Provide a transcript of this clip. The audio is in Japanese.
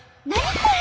これ！